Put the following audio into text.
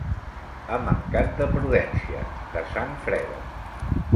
Ha mancat de prudència, de sang freda.